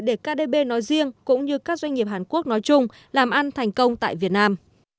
để kdb nói riêng cũng như các doanh nghiệp hàn quốc nói chung làm ăn thành công tại việt nam